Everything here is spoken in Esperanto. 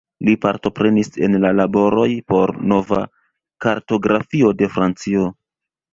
Li partoprenis en la laboroj por nova kartografio de Francio.